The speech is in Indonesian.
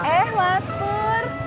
eh mas pur